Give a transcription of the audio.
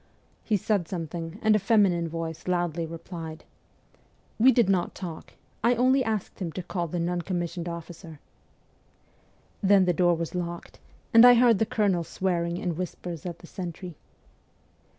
He said something, and a feminine voice loudly replied :' We did not talk. I only asked him to call the non commissioned officer.' Then the door was locked, and I heard the colonel swearing in whispers at the sentry.